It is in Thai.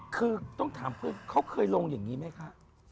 คือต้องถามเพื่อนเขาเคยลงอย่างนี้ไหมคะ